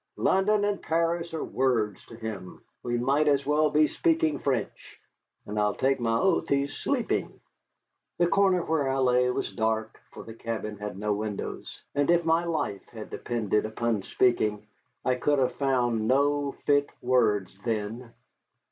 London and Paris are words to him. We might as well be speaking French. And I'll take my oath he's sleeping." The corner where I lay was dark, for the cabin had no windows. And if my life had depended upon speaking, I could have found no fit words then.